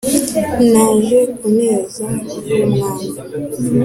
Naje ku neza y'umwami